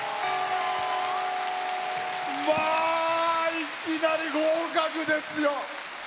いきなり合格ですよ！